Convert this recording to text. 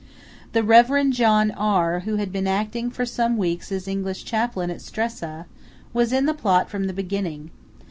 The Rev. John R., who had been acting for some weeks as English chaplain at Stresa, was in the plot from the beginning.